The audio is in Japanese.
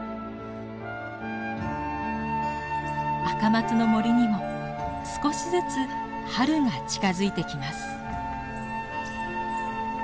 アカマツの森にも少しずつ春が近づいてきます。